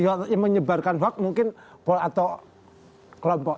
sebuah kebanyakan hak mungkin pol atau kelompok